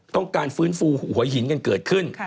ต้องการฟื้นฟู่หวยหินกันเกิดขึ้น